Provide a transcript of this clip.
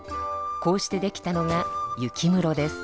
こうしてできたのが雪むろです。